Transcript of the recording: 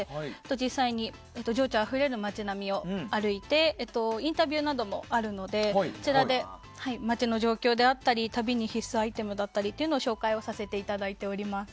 実際に情緒あふれる街並みを歩いてインタビューなどもあるのでこちらで街の状況や旅の必須アイテムを紹介させていただいております。